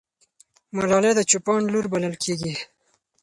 ملالۍ د چوپان لور بلل کېږي.